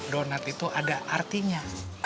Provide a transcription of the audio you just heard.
donat itu ada artinya